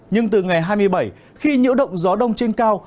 nhưng từ ngày hai mươi bảy khi nhiễu động gió đông trên cao